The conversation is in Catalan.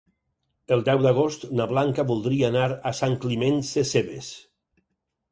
El deu d'agost na Blanca voldria anar a Sant Climent Sescebes.